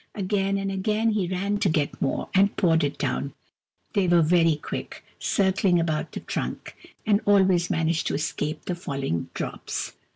Again and again he ran to get more, and poured it down ; they were very quick, circling about the trunk, and always man aged to escape the falling drops.